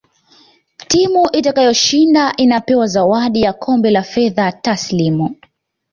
timu itakayoshinda inapewa zawadi ya kombe na fedha tasilimu